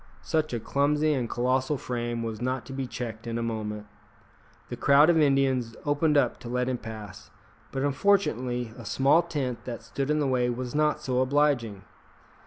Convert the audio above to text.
Such a clumsy and colossal frame was not to be checked in a moment. The crowd of Indians opened up to let him pass, but unfortunately a small tent that stood in the way was not so obliging.